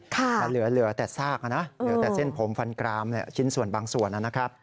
มันเหลือแต่ซากนะเหลือแต่เส้นผมฟันกรามชิ้นส่วนบางส่วนนะครับ